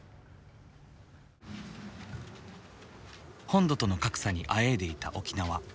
本土との格差にあえいでいた沖縄。